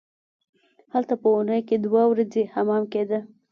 هلته په اونۍ کې دوه ورځې حمام کیده.